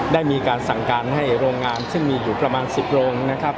ได้มีการสั่งการให้โรงงานซึ่งมีอยู่ประมาณ๑๐โรงนะครับ